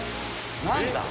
何だ？